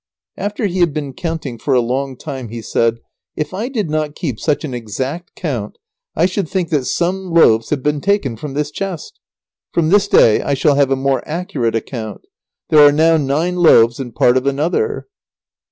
After he had been counting for a long time, he said: "If I did not keep such an exact account I should think that some loaves have been taken from this chest. From this day I shall have a more accurate account. There are now nine loaves and part of another."